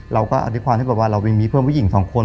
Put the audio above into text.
เราก็อธิความให้บอกว่าเรามีเพื่อนผู้หญิงสองคน